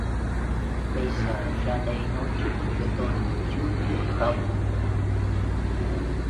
Bây giờ ra đây nói chuyện với tôi một chút được không